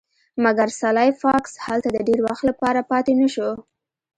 مګر سلای فاکس هلته د ډیر وخت لپاره پاتې نشو